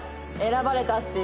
選ばれたって。